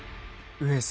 上様！